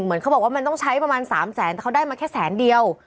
เหมือนเขาบอกว่ามันต้องใช้ประมาณ๓แสนแต่เขาได้มาแค่แสนเดียว